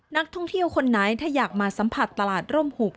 นักท่องเที่ยวคนไหนถ้าอยากมาสัมผัสตลาดร่มหุก